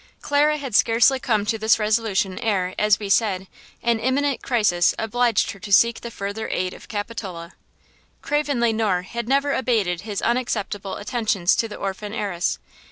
Clara had scarcely come to this resolution ere, as we said, an imminent crisis obliged her to seek the further aid of Capitola. Craven Le Noir had never abated his unacceptable attentions to the orphan heiress.